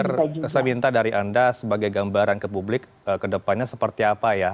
baik terakhir saya minta dari anda sebagai gambaran ke publik kedepannya seperti apa ya